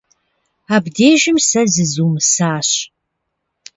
Абдежым сэ зызумысыжащ.